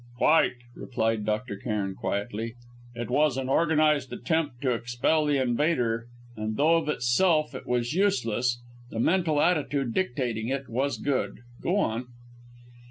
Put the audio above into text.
"Quite," replied Dr. Cairn quietly. "It was an organised attempt to expel the invader, and though of itself it was useless, the mental attitude dictating it was good. Go on."